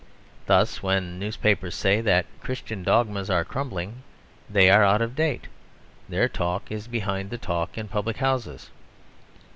Thus when newspapers say that Christian dogmas are crumbling, they are out of date; their talk is behind the talk in public houses.